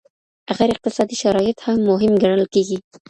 غیر اقتصادي شرایط هم مهم ګڼل کیږي.